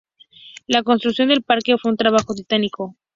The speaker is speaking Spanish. La construcción del parque fue un trabajo titánico.